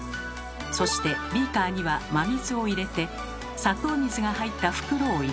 そしてビーカーには真水を入れて砂糖水が入った袋を入れます。